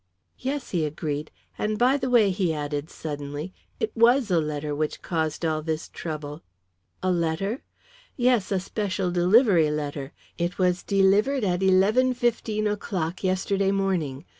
"Yes," he agreed. "And by the way," he added suddenly, "it was a letter which caused all this trouble." "A letter?" "Yes; a special delivery letter. It was delivered at 11.15 o'clock yesterday morning.